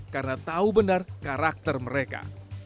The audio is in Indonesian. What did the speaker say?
karena tahu benar karakter mereka